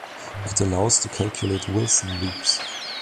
It allows to calculate Wilson loops.